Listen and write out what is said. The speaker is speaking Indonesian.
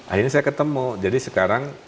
akhirnya saya ketemu jadi sekarang